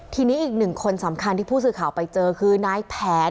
ทีนี้อีกหนึ่งคนสำคัญที่ผู้สื่อข่าวไปเจอคือนายแผน